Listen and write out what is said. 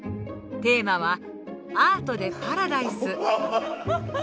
テーマは「アートでパラダイス」。